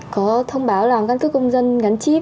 có thông báo là cân cướp công dân gắn chip